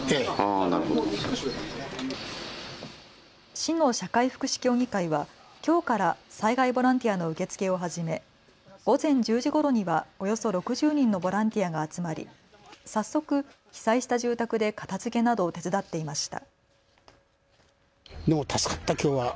市の社会福祉協議会はきょうから災害ボランティアの受け付けを始め午前１０時ごろにはおよそ６０人のボランティアが集まり早速、被災した住宅で片づけなどを手伝っていました。